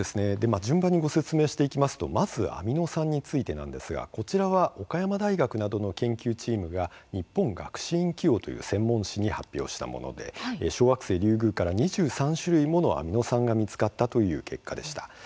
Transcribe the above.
順番にご説明していきますとまずアミノ酸についてですがこちらは岡山大学などの研究チームが「日本学士院紀要」という専門誌に発表したもので小惑星リュウグウから２３種類ものアミノ酸が見つかったという結果でした。